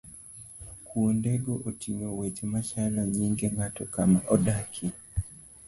Kuondego ting'o weche machalo nyinge ng'ato, kama odakie